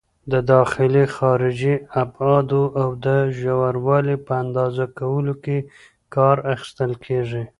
د داخلي، خارجي ابعادو او د ژوروالي په اندازه کولو کې کار اخیستل کېږي.